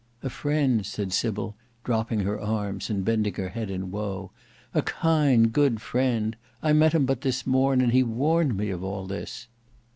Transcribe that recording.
"A friend," said Sybil, dropping her arms and bending her head in woe; "a kind good friend. I met him but this morn, and he warned me of all this."